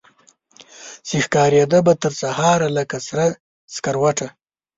چي ښکاریده به ترسهاره لکه سره سکروټه